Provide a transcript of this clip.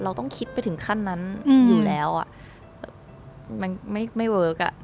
เราต้องคิดไปถึงขั้นนั้นอยู่แล้วอ่ะมันไม่เวิร์คอ่ะ